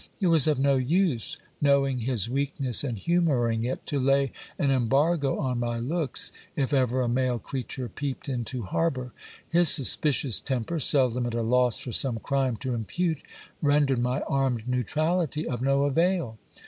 It was of no use, knowing his weakness and humouring it, to lay an embargo on my looks, if ever a male creature peeped into harbour ; his suspicious temper, seldom at a loss for some crime to impute, rendered my armed neutrality of no avail.